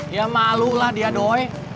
ya malu lah dia doy